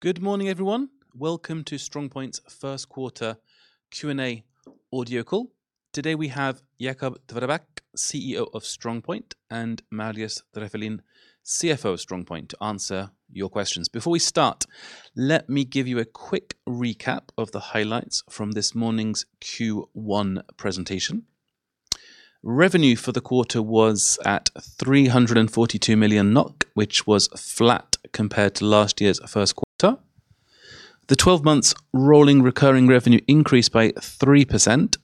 Good morning, everyone. Welcome to StrongPoint's first quarter Q&A audio call. Today, we have Jacob Tveraabak, CEO of StrongPoint, and Marius Drefvelin, CFO of StrongPoint, to answer your questions. Before we start, let me give you a quick recap of the highlights from this morning's Q1 presentation. Revenue for the quarter was at 342 million NOK, which was flat compared to last year's first quarter. The 12 months rolling recurring revenue increased by 3%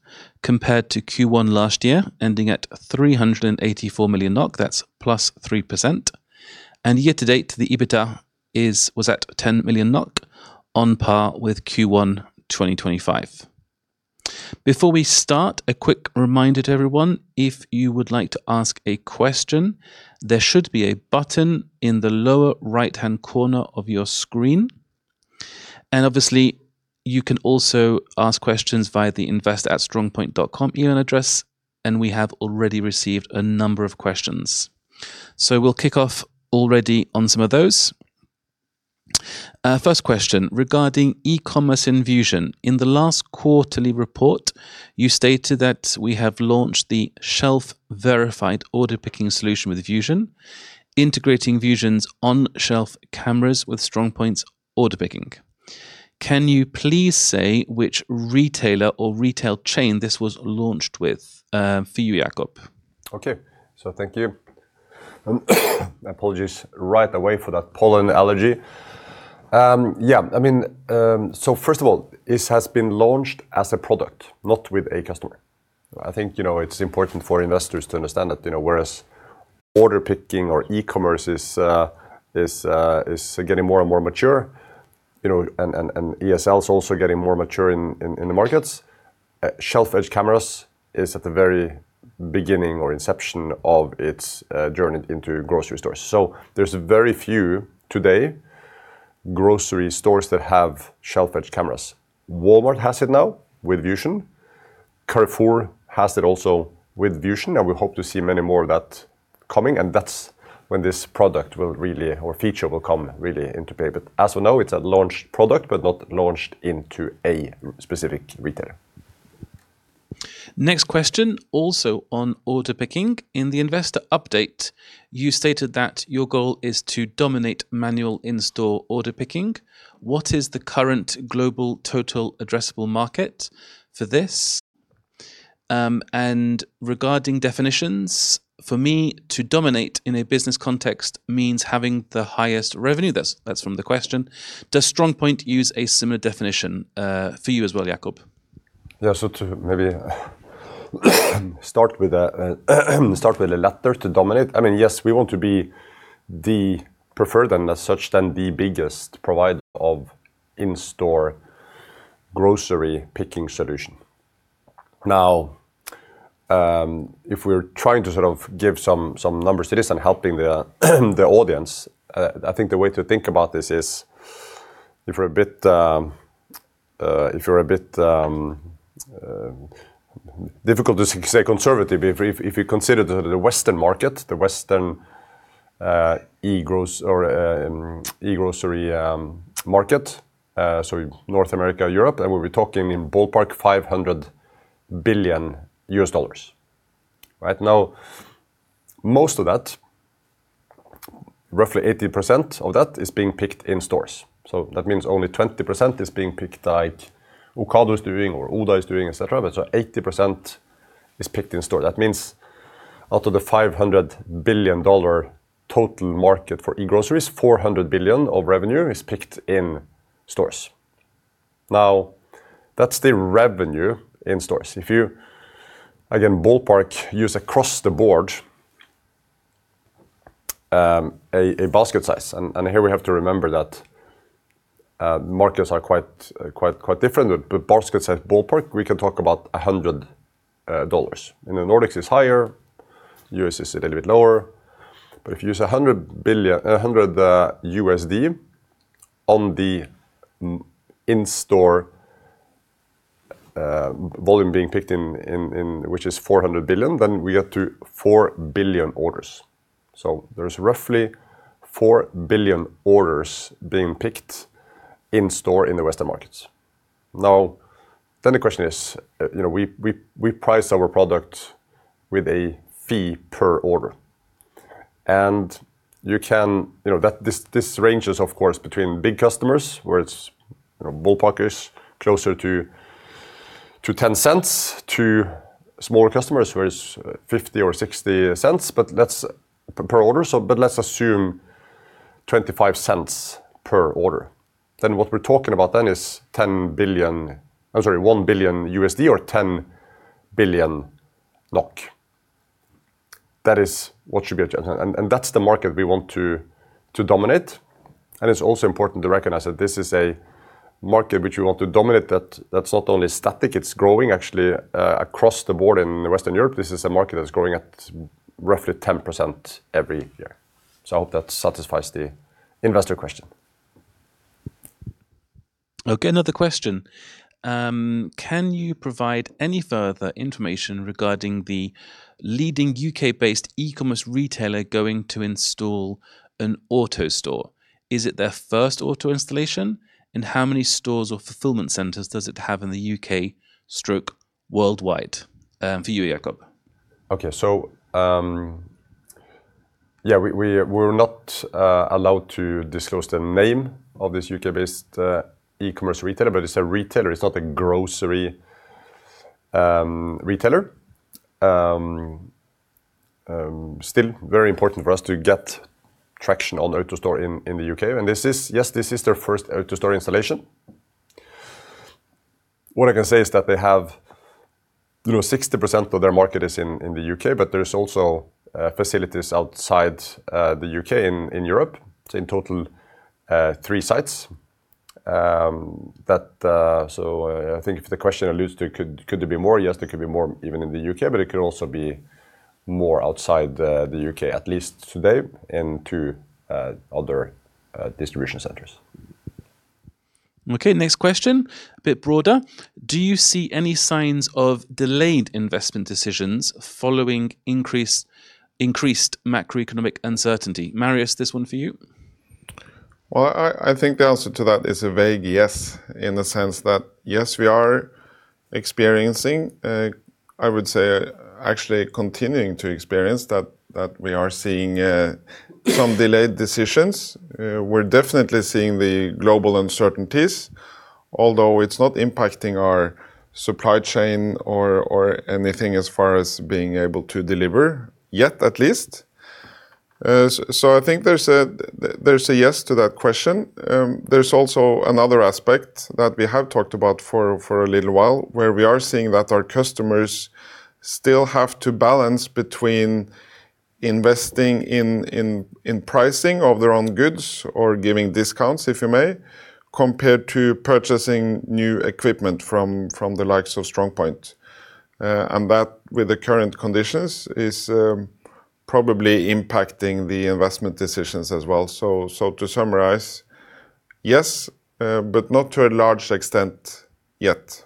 compared to Q1 last year, ending at 384 million NOK. That's +3%. Year-to-date, the EBITDA was at 10 million NOK, on par with Q1 2025. Before we start, a quick reminder to everyone. If you would like to ask a question, there should be a button in the lower right-hand corner of your screen. Obviously, you can also ask questions via the investor@strongpoint.com email address, and we have already received a number of questions. We'll kick off already on some of those. First question regarding e-commerce in Vision. In the last quarterly report, you stated that we have launched the shelf-verified order picking solution with Vision, integrating Vision's on-shelf cameras with StrongPoint's order picking. Can you please say which retailer or retail chain this was launched with? For you, Jacob. Thank you. I apologize right away for that pollen allergy. Yeah, I mean, first of all, this has been launched as a product, not with a customer. I think, you know, it's important for investors to understand that, you know, whereas order picking or e-commerce is getting more and more mature, you know, and ESL is also getting more mature in the markets. Shelf-edge cameras is at the very beginning or inception of its journey into grocery stores. There's very few today grocery stores that have shelf-edge cameras. Walmart has it now with Vision. Carrefour has it also with Vision. We hope to see many more of that coming, and that's when this product will really or feature will come really into play. As of now, it's a launched product but not launched into a specific retailer. Next question, also on order picking. In the investor update, you stated that your goal is to dominate manual in-store order picking. What is the current global total addressable market for this? Regarding definitions, for me to dominate in a business context means having the highest revenue. That's from the question. Does StrongPoint use a similar definition for you as well, Jacob? Yeah. To maybe start with, start with the latter, to dominate. I mean, yes, we want to be the preferred and as such, then the biggest provider of in-store grocery picking solution. Now, if we're trying to sort of give some numbers to this and helping the audience, I think the way to think about this is if you're a bit, if you're a bit difficult to say conservative. If you consider the Western market, the Western e-grocery market, so North America, Europe, and we'll be talking in ballpark $500 billion. Right. Now, most of that, roughly 80% of that is being picked in stores. That means only 20% is being picked like Ocado is doing or Oda is doing, et cetera. 80% is picked in-store. That means out of the $500 billion total market for e-groceries, $400 billion of revenue is picked in stores. That's the revenue in stores. If you, again, ballpark use across the board, a basket size, and here we have to remember that markets are quite different. Baskets at ballpark, we can talk about $100. In the Nordics, it's higher. U.S. is a little bit lower. If you use $100 on the in-store volume being picked, which is $400 billion, we get to 4 billion orders. There's roughly 4 billion orders being picked in-store in the Western markets. The question is, you know, we price our product with a fee per order. You can, you know, that this ranges of course, between big customers where it's, you know, ballpark is closer to 0.10, to smaller customers where it's 0.50 or 0.60, but that's per order. Let's assume 0.25 per order. What we're talking about then is $1 billion or NOK 10 billion. That is what should be our target. That's the market we want to dominate. It's also important to recognize that this is a market which we want to dominate, that's not only static, it's growing actually, across the board in Western Europe. This is a market that's growing at roughly 10% every year. I hope that satisfies the investor question. Okay, another question. Can you provide any further information regarding the leading UK-based e-commerce retailer going to install an AutoStore? Is it their first Auto installation? How many stores or fulfillment centers does it have in the U.K./worldwide? For you, Jacob. Okay. Yeah, we're not allowed to disclose the name of this UK-based e-commerce retailer, but it's a retailer. It's not a grocery retailer. Still very important for us to get traction on AutoStore in the U.K., and this is their first AutoStore installation. What I can say is that they have, you know, 60% of their market is in the U.K., but there's also facilities outside the U.K. in Europe. In total, three sites. I think if the question alludes to could there be more? There could be more even in the U.K., but it could also be more outside the U.K., at least today, into other distribution centers. Okay, next question. A bit broader. Do you see any signs of delayed investment decisions following increased macroeconomic uncertainty? Marius, this one for you. Well, I think the answer to that is a vague yes, in the sense that, yes, we are experiencing, I would say actually continuing to experience that we are seeing some delayed decisions. We're definitely seeing the global uncertainties, although it's not impacting our supply chain or anything as far as being able to deliver, yet, at least. I think there's a yes to that question. There's also another aspect that we have talked about for a little while, where we are seeing that our customers still have to balance between investing in pricing of their own goods or giving discounts, if you may, compared to purchasing new equipment from the likes of StrongPoint. That, with the current conditions, is probably impacting the investment decisions as well. To summarize, yes, but not to a large extent yet.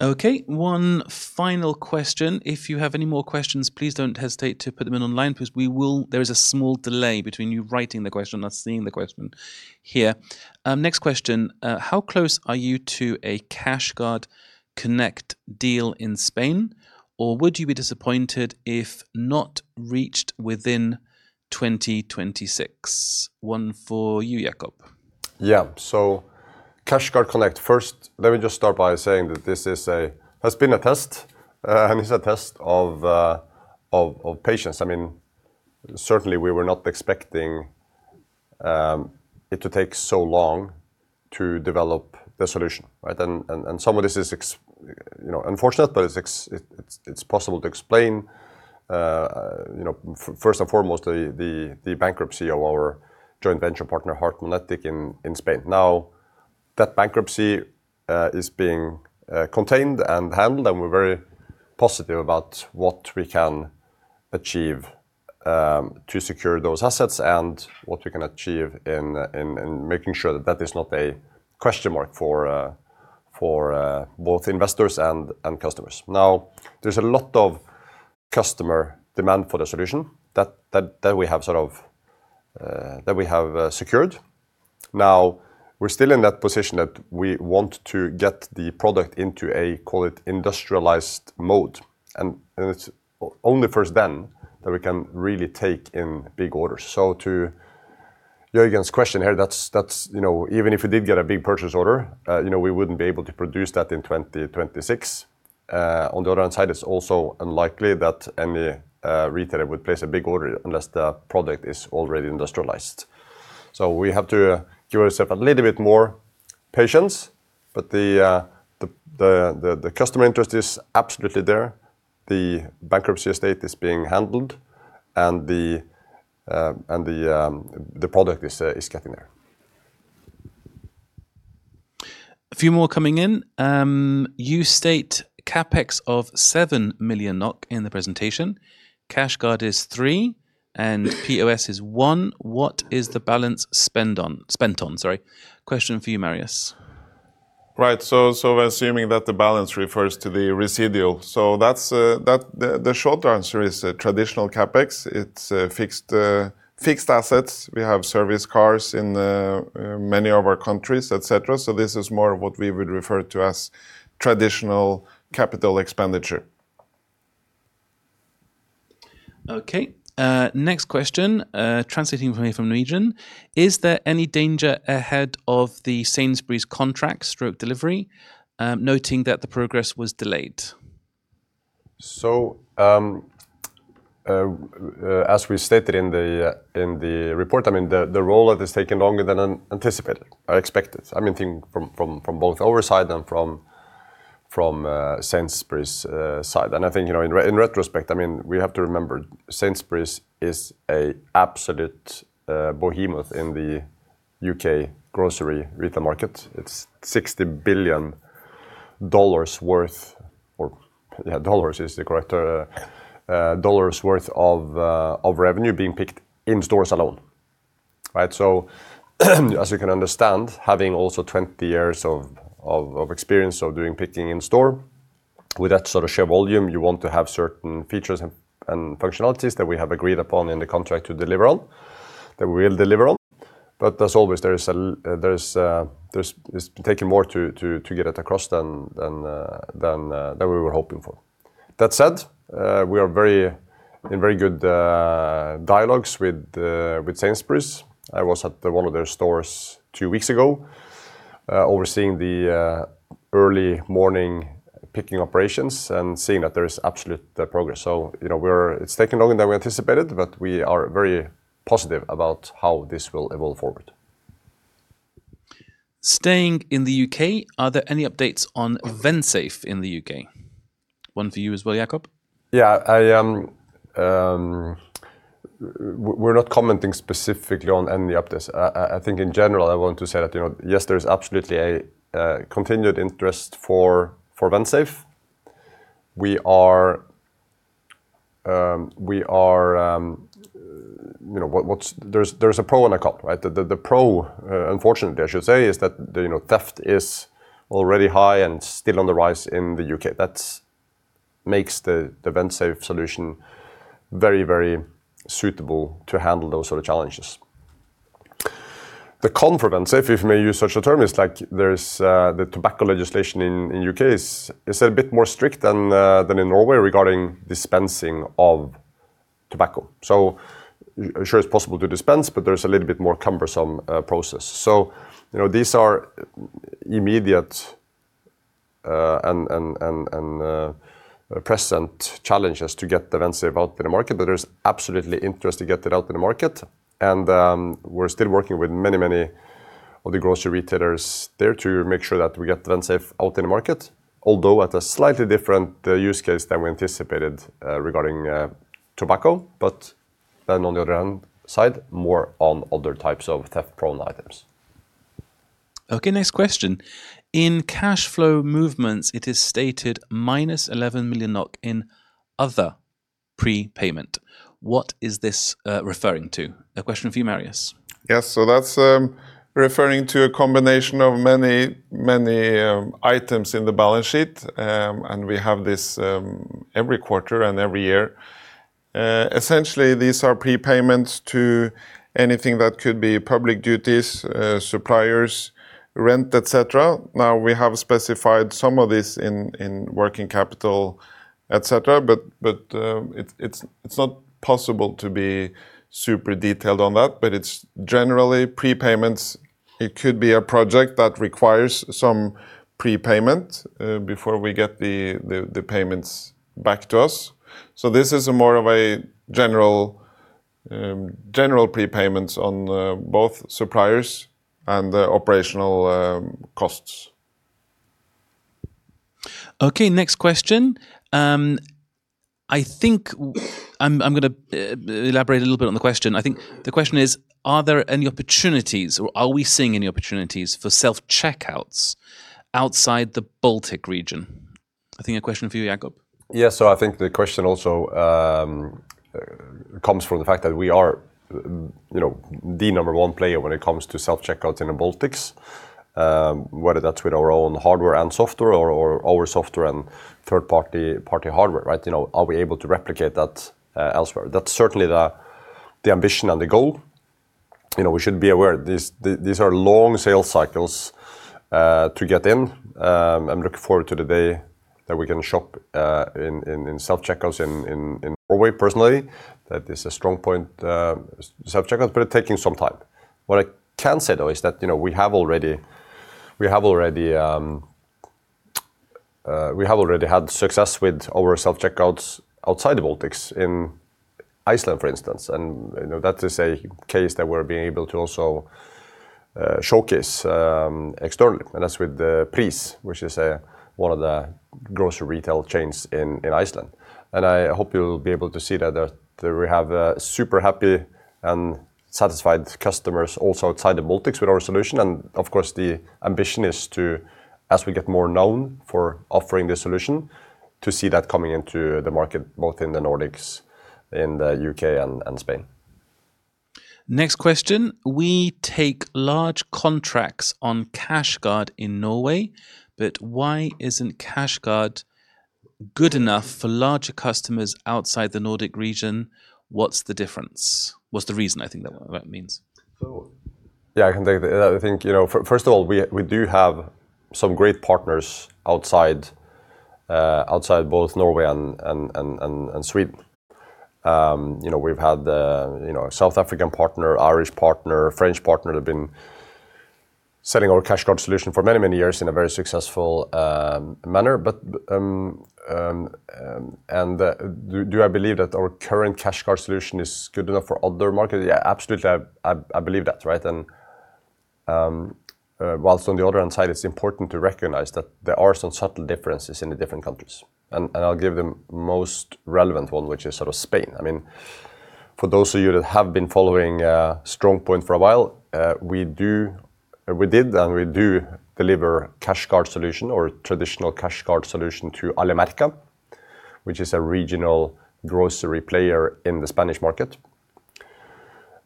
Okay, one final question. If you have any more questions, please don't hesitate to put them in online because we will. There is a small delay between you writing the question and us seeing the question here. Next question. How close are you to a CashGuard Connect deal in Spain, or would you be disappointed if not reached within 2026? One for you, Jacob. CashGuard Connect, first, let me just start by saying that this has been a test and is a test of patience. I mean certainly, we were not expecting it to take so long to develop the solution, right? Some of this is, you know, unfortunate, but it's possible to explain. You know, first and foremost, the bankruptcy of our joint venture partner, Hartmann Electric, in Spain. Now, that bankruptcy is being contained and handled, and we're very positive about what we can achieve to secure those assets and what we can achieve in making sure that that is not a question mark for both investors and customers. There's a lot of customer demand for the solution that we have secured. We're still in that position that we want to get the product into a industrialized mode, and it's only first then that we can really take in big orders. To Jørgen's question here, that's, you know, even if we did get a big purchase order, you know, we wouldn't be able to produce that in 2026. On the other hand side, it's also unlikely that any retailer would place a big order unless the product is already industrialized. We have to give ourself a little bit more patience, but the customer interest is absolutely there. The bankruptcy estate is being handled, and the, and the product is getting there. A few more coming in. You state CapEx of 7 million NOK in the presentation. CashGuard is 3 million, and POS is 1 million. What is the balance spent on? Sorry. Question for you, Marius. Right. We're assuming that the balance refers to the residual. The short answer is traditional CapEx. It's fixed assets. We have service cars in many of our countries, et cetera. This is more of what we would refer to as traditional capital expenditure. Okay. Next question, translating for me from Norwegian. Is there any danger ahead of the Sainsbury's contract/delivery, noting that the progress was delayed? As we stated in the report, I mean, the rollout has taken longer than anticipated, expected. I mean, from both our side and from Sainsbury's side. I think, you know, in retrospect, I mean, we have to remember, Sainsbury's is a absolute behemoth in the U.K. grocery retail market. It's $60 billion worth, or yeah, dollars is the correct, dollars worth of revenue being picked in stores alone, right? As you can understand, having also 20 years of experience of doing picking in store, with that sort of share volume, you want to have certain features and functionalities that we have agreed upon in the contract to deliver on, that we will deliver on. As always, it's taking more to get it across than we were hoping for. That said, we are in very good dialogues with Sainsbury's. I was at one of their stores two weeks ago, overseeing the early morning picking operations and seeing that there is absolute progress. You know, it's taken longer than we anticipated, but we are very positive about how this will evolve forward. Staying in the U.K., are there any updates on Vensafe in the U.K.? One for you as well, Jacob? Yeah. We're not commenting specifically on any updates. I think in general, I want to say that, you know, yes, there's absolutely a continued interest for Vensafe. We are, you know, there's a pro and a con, right? The pro, unfortunately I should say, is that, you know, theft is already high and still on the rise in the U.K. That makes the Vensafe solution very suitable to handle those sort of challenges. The con for Vensafe, if I may use such a term, is like there's the tobacco legislation in the U.K. is a bit more strict than in Norway regarding dispensing of tobacco. Sure, it's possible to dispense, but there's a little bit more cumbersome process. You know, these are immediate and present challenges to get the Vensafe out in the market, but there's absolutely interest to get it out in the market. We're still working with many of the grocery retailers there to make sure that we get the Vensafe out in the market, although at a slightly different use case than we anticipated regarding tobacco. On the other side, more on other types of theft-prone items. Okay. Next question. In cash flow movements, it is stated -11 million NOK in other prepayment. What is this referring to? A question for you, Marius. Yes. That's referring to a combination of many items in the balance sheet. We have this every quarter and every year. Essentially these are prepayments to anything that could be public duties, suppliers, rent, et cetera. Now, we have specified some of this in working capital, et cetera, but it's not possible to be super detailed on that. It's generally prepayments. It could be a project that requires some prepayment before we get the payments back to us. This is more of a general general prepayments on both suppliers and the operational costs. Okay. Next question. I think I'm gonna elaborate a little bit on the question. I think the question is: Are there any opportunities or are we seeing any opportunities for self-checkouts outside the Baltic region? I think a question for you, Jacob. Yeah. I think the question also comes from the fact that we are, you know, the number one player when it comes to self-checkouts in the Baltics, whether that's with our own hardware and software or our software and third party hardware, right? You know, are we able to replicate that elsewhere? That's certainly the ambition and the goal. You know, we should be aware these are long sales cycles to get in. I'm looking forward to the day that we can shop in self-checkouts in Norway personally. That is a StrongPoint self-checkouts, but it's taking some time. What I can say, though, is that, you know, we have already had success with our self-checkouts outside the Baltics, in Iceland, for instance, and, you know, that is a case that we're being able to also showcase externally, and that's with Prís, which is one of the grocery retail chains in Iceland. I hope you'll be able to see that we have super happy and satisfied customers also outside the Baltics with our solution. Of course the ambition is to, as we get more known for offering this solution, to see that coming into the market both in the Nordics, in the U.K. and Spain. Next question. We take large contracts on CashGuard in Norway, but why isn't CashGuard good enough for larger customers outside the Nordic region? What's the difference? What's the reason? Yeah, I can take that. I think, you know, first of all, we do have some great partners outside both Norway and Sweden. You know, we've had, you know, a South African partner, Irish partner, French partner that have been selling our CashGuard solution for many, many years in a very successful manner. Do I believe that our current CashGuard solution is good enough for other markets? Yeah, absolutely, I believe that, right? Whilst on the other hand side, it's important to recognize that there are some subtle differences in the different countries, and I'll give the most relevant one, which is sort of Spain. I mean, for those of you that have been following StrongPoint for a while, we do we did and we do deliver CashGuard solution or traditional CashGuard solution to Alimerka, which is a regional grocery player in the Spanish market.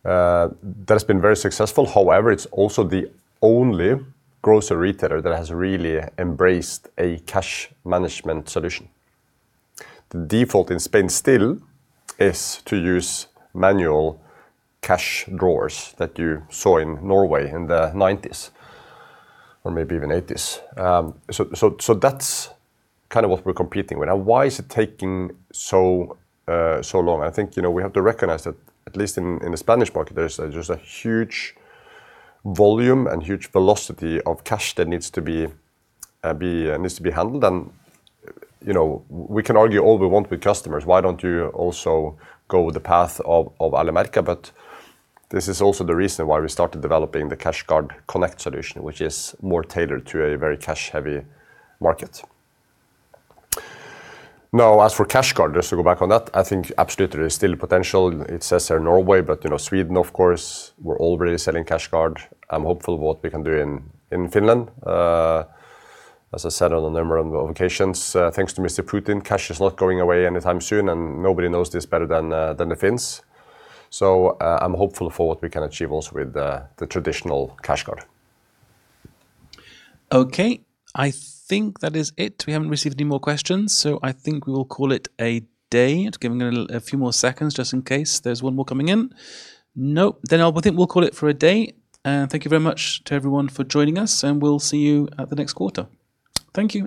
That has been very successful. It's also the only grocery retailer that has really embraced a cash management solution. The default in Spain still is to use manual cash drawers that you saw in Norway in the 1990s, or maybe even 1980s. That's kind of what we're competing with. Why is it taking so long? I think, you know, we have to recognize that at least in the Spanish market, there's a huge volume and huge velocity of cash that needs to be handled. You know, we can argue all we want with customers, "Why don't you also go the path of Alimerka?" This is also the reason why we started developing the CashGuard Connect solution, which is more tailored to a very cash-heavy market. Now, as for CashGuard, just to go back on that, I think absolutely there is still potential. It says here Norway, but, you know, Sweden of course we're already selling CashGuard. I'm hopeful what we can do in Finland. As I said on a number of occasions, thanks to Vladimir Putin, cash is not going away anytime soon, and nobody knows this better than the Finns. I'm hopeful for what we can achieve also with the traditional CashGuard. Okay. I think that is it. We haven't received any more questions. I think we will call it a day. Just giving it a few more seconds just in case there's one more coming in. Nope. We think we'll call it for a day. Thank you very much to everyone for joining us. We'll see you at the next quarter. Thank you.